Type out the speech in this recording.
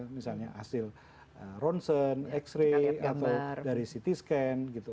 misalnya hasil ronsen x ray atau dari ct scan gitu